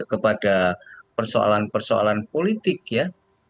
kepada persoalan persoalan politik ya